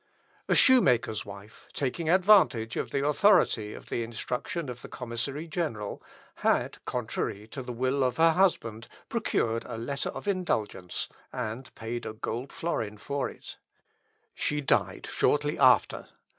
A shoemaker's wife, taking advantage of the authority of the instruction of the commissary general, had, contrary to the will of her husband, procured a letter of indulgence, and paid a gold florin for it. She died shortly after.